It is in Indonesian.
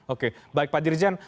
oke baik pak dirjan